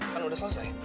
kan udah selesai